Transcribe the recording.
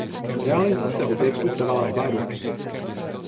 Realizace objektu trvala dva roky.